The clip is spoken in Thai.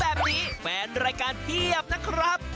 แบบนี้แฟนรายการเพียบนะครับ